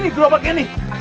ini grobeknya nih